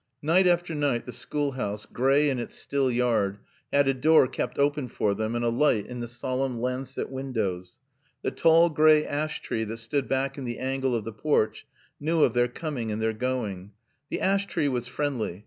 Night after night the schoolhouse, gray in its still yard, had a door kept open for them and a light in the solemn lancet windows. The tall gray ash tree that stood back in the angle of the porch knew of their coming and their going. The ash tree was friendly.